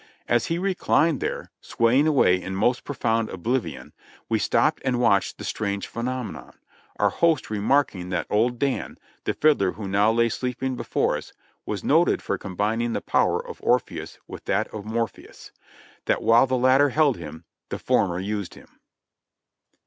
As he reclined there, sawing away in most profound oblivion, we stopped and watched the strange phenomenon, our host remark ing that old Dan, the fiddler who now lay sleeping before us, was noted for combining the power of Orpheus with that of Mor pheus ; that while the latter held him, the former used him.